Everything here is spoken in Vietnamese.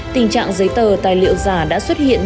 tình trạng giấy tờ tài liệu giả đã xuất hiện